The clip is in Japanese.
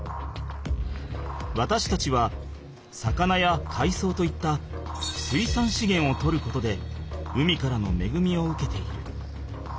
わたしたちは魚やかいそうといった水産資源をとることで海からのめぐみを受けている。